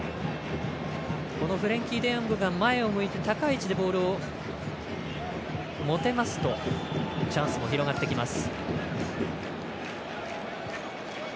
フレンキー・デヨングが前を向いて高い位置でボールを持てますとチャンスも広がってきます。